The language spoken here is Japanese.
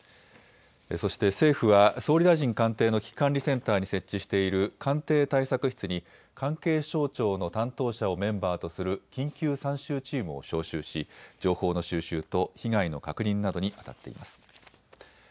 そして政府は総理大臣官邸の危機管理センターに設置している官邸対策室に関係省庁の担当者をメンバーとする緊急参集チームを招集し情報の収集と被害の確認などにあたっています。